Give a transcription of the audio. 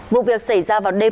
vụ việc xảy ra vào đêm